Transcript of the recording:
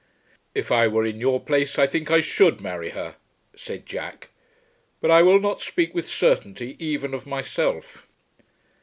"If I were in your place I think I should marry her," said Jack; "but I will not speak with certainty even of myself."